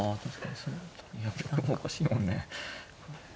いやおかしいもんね。